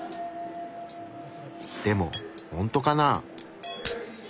でもほんとかな？